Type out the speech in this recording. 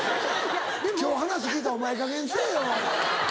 「今日話聞いたお前ええかげんにせぇよ」。